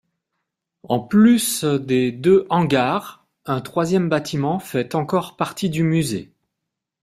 En plus des deux hangars, un troisième bâtiment fait encore partie du musée.